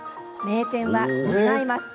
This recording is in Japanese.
名店は違います。